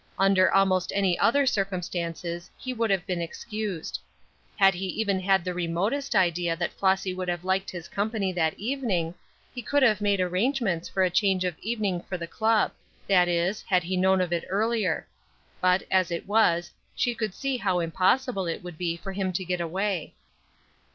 Under almost any other circumstances he could have been excused. Had he even had the remotest idea that Flossy would have liked his company that evening, he could have made arrangements for a change of evening for the club; that is, had he known of it earlier. But, as it was, she would see how impossible it would be for him to get away.